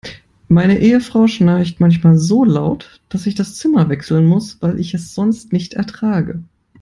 Meine Ehefrau schnarcht manchmal so laut, dass ich das Zimmer wechseln muss, weil ich es sonst nicht ertrage.